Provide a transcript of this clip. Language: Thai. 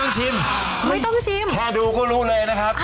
โอ้โฮแค่ดูก็รู้หรอ